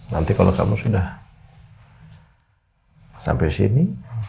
nanti kalau kamu sudah sampai sini